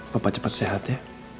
papa cepat sehat ya